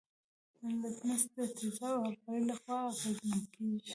لتمس د تیزاب او القلي له خوا اغیزمن کیږي.